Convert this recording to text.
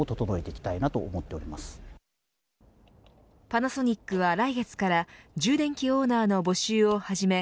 パナソニックは来月から充電器オーナーの募集を始め